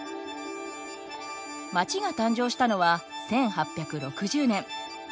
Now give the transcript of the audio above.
街が誕生したのは１８６０年。